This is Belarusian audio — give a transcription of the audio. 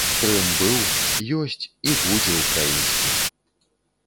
Крым быў, ёсць і будзе ўкраінскім.